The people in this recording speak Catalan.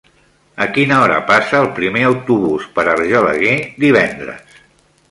A quina hora passa el primer autobús per Argelaguer divendres?